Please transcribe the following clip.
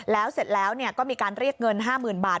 แล้วเสร็จแล้วก็มีการเรียกเงิน๕๐๐๐บาท